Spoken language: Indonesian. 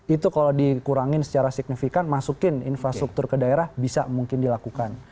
itu kalau dikurangin secara signifikan masukin infrastruktur ke daerah bisa mungkin dilakukan